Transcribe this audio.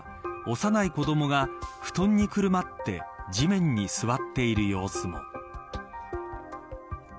幼い子どもが布団にくるまって地面に座っている様子も。